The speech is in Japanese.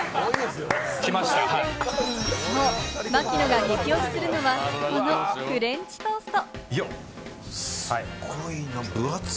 槙野が激推しするのは、このフレンチトースト！